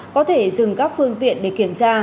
có thể dừng các phương tiện để kiểm tra